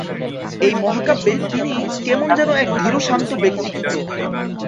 এই মহাকাব্যে তিনি কেমন যেন এক ধীর-শান্ত ব্যক্তিত্ব।